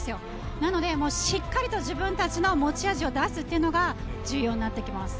なのでしっかりと自分たちの持ち味を出すというのが重要になってきます。